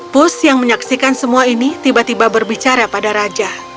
pus yang menyaksikan semua ini tiba tiba berbicara pada raja